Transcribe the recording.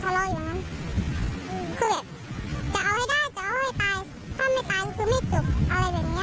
ถ้าไม่ตายคือไม่จุบอะไรแบบนี้ค่ะ